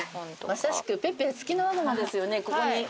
まさしくペッペツキノワグマですよね。